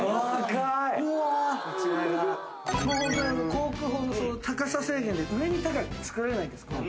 航空法の高さ制限で上に高く造れないんです。